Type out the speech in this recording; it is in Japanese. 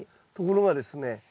ところがですね